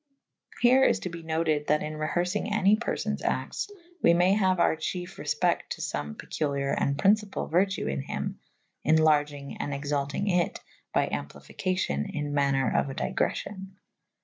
Here is to be noted that in reherfynge any persowes actes / we may haue our chiefe refpecte to fome peculiare and pryncypall vertue in hym / enlargynge and exaltynge it by amplificacio« in maner of a digreffio«.